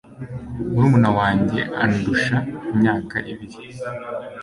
murumuna wanjye andusha imyaka ibiri